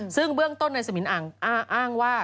ซึ่งเบื้องต้นในสมินอังอ้างว่า